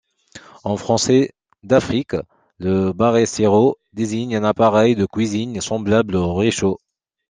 En français d'Afrique, le brasero désigne un appareil de cuisine semblable au réchaud.